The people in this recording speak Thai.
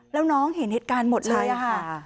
แล้วน้องเห็นเหตุการณ์หมดเลยค่ะ